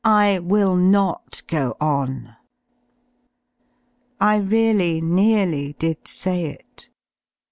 I will not go on." J^ I really nearly did say it.